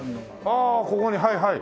ああここにはいはい。